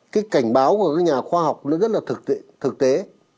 cái cảnh báo của các nhà khoa học nó rất là thực tế